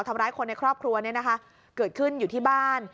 ทำร้ายคนในครอบครัวเนี่ยนะคะเกิดขึ้นอยู่ที่บ้าน